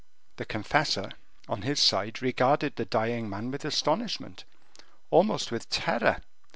The confessor, on his side, regarded the dying man with astonishment, almost with terror.